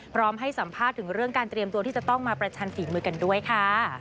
พร้อมให้สัมภาษณ์ถึงเรื่องการเตรียมตัวที่จะต้องมาประชันฝีมือกันด้วยค่ะ